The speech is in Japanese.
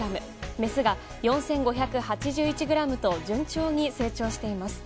メスが４５８１ｇと順調に成長しています。